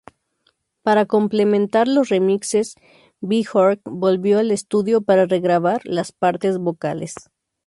Para complementar los remixes, Björk volvió al estudio para regrabar las partes vocales.